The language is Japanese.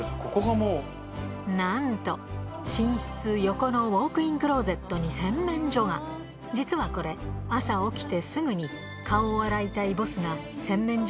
なんと寝室横のウオークインクローゼットに洗面所が実はこれ朝起きてすぐに顔を洗いたい